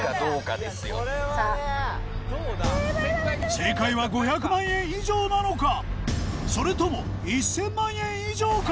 正解は５００万円以上なのかそれとも１０００万円以上か？